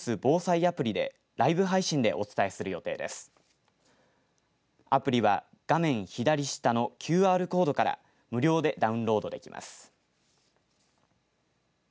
アプリは画面左下のＱＲコードから無料でダウンロードできます。